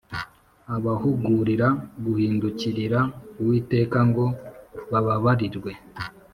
Abahugurira guhindukirira Uwiteka ngo bababarirwe